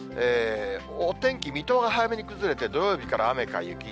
お天気、水戸が早めに崩れて、土曜日から雨か雪。